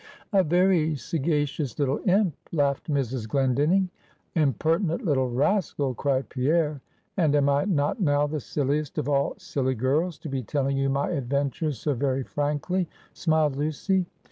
'" "A very sagacious little imp," laughed Mrs. Glendinning. "Impertinent little rascal," cried Pierre. "And am I not now the silliest of all silly girls, to be telling you my adventures so very frankly," smiled Lucy.